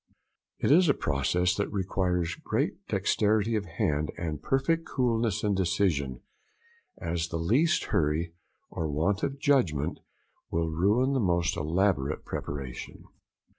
It is a process that requires great dexterity of hand and perfect coolness and decision, as the least hurry or want of judgment will ruin the most elaborate preparation.